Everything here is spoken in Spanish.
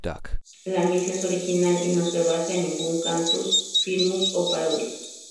La misa es original y no se basa en ningún cantus firmus o parodia.